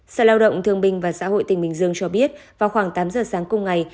sở lao động thương bình và xã hội tỉnh bình dương cho biết vào khoảng tám giờ sáng cùng ngày